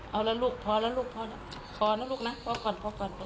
เอาละลูกพอแล้วลูกพอแล้วลูกนะพ่อก่อนพ่อก่อน